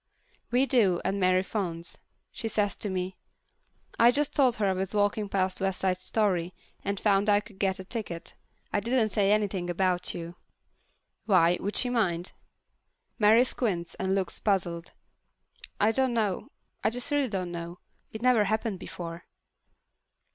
We do, and Mary phones. She says to me, "I just told her I was walking past West Side Story and found I could get a ticket. I didn't say anything about you." "Why, would she mind?" Mary squints and looks puzzled. "I don't know. I just really don't know. It never happened before."